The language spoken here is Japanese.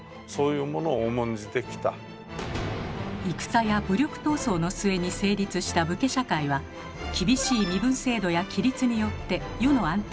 戦や武力闘争の末に成立した武家社会は厳しい身分制度や規律によって世の安定が保たれていました。